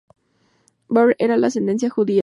Bauer era de ascendencia judía.